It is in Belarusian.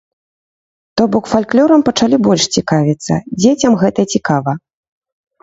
То бок фальклёрам пачалі больш цікавіцца, дзецям гэта цікава.